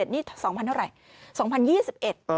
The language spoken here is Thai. นี่๒๐๐๐เหรอไง๒๐๒๑